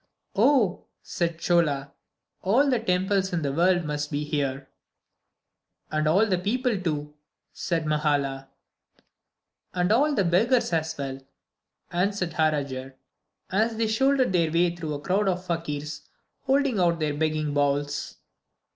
"Oh!" said Chola, "all the temples in the world must be here." "And all the people, too," said Mahala. "And all the beggars as well," answered Harajar, as they shouldered their way through a crowd of "fakirs" holding out their begging bowls.